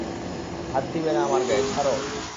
হাত দিবে না আমার গায়ে, ছাড়ো।